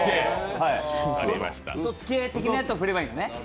「うそつけ」的なものを振ればいいのね。